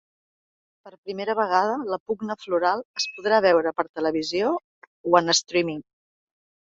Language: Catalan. Per primera vegada, la pugna floral es podrà veure per televisió o en streaming.